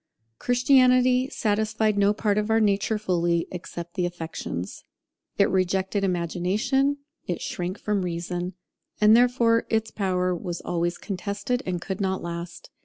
Christianity satisfied no part of our nature fully, except the affections. It rejected Imagination, it shrank from Reason; and therefore its power was always contested, and could not last.